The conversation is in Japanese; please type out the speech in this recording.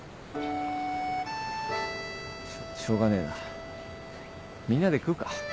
しょうがねえなみんなで食うか。